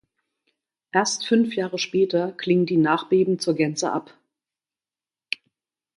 Erst fünf Jahre später klingen die Nachbeben zur Gänze ab.